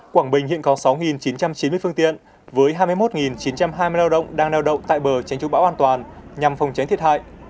quảng bình hiện có sáu chín trăm chín mươi phương tiện với hai mươi một chín trăm hai mươi lao động đang neo đậu tại bờ tránh chú bão an toàn nhằm phòng tránh thiệt hại